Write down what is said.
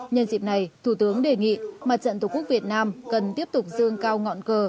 nhân dịp này thủ tướng đề nghị mặt trận tổ quốc việt nam cần tiếp tục dương cao ngọn cờ